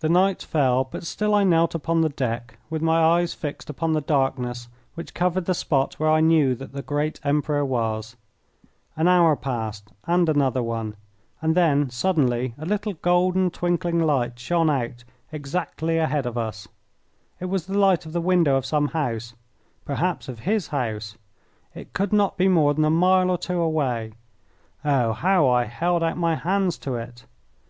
The night fell, but still I knelt upon the deck, with my eyes fixed upon the darkness which covered the spot where I knew that the great Emperor was. An hour passed and another one, and then suddenly a little golden twinkling light shone out exactly ahead of us. It was the light of the window of some house perhaps of his house. It could not be more than a mile or two away. Oh, how I held out my hands to it!